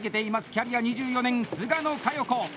キャリア２４年、菅野佳代子！